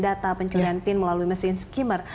data pencurian pin melalui mesin skimmer